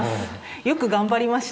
よく頑張りました。